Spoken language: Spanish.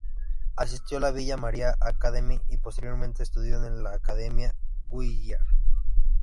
Asistió a la "Villa Maria Academy" y posteriormente estudió en la Academia Juilliard.